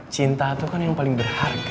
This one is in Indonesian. cinta itu kan yang paling berharga